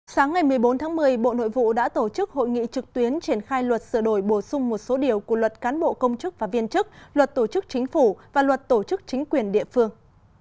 sáng ngày một mươi bốn tháng một mươi bộ nội vụ đã tổ chức hội nghị trực tuyến triển khai luật sửa đổi bổ sung một số điều của luật cán bộ công chức và viên chức luật tổ chức chính phủ và luật tổ chức chính quyền địa phương